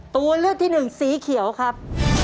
ตัวเลือกที่หนึ่งสีเขียวครับ